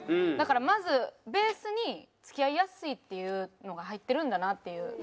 だからまずベースに付き合いやすいっていうのが入ってるんだなっていう。